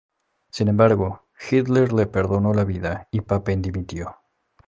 Sin embargo, Hitler le perdonó la vida y Papen dimitió.